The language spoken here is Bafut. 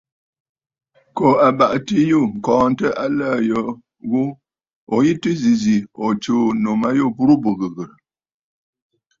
Kǒ abàʼati yû ŋ̀kɔɔntə aləə̀ yo ghu, ǹyi tɨ yǐ zì ǹtsuu ànnù ma yû bǔ burə ghɨghɨ̀rə̀!